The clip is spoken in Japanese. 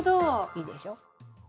いいでしょ。